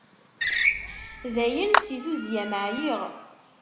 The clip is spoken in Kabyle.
Dayen, si tuzzya-m ɛyiɣ.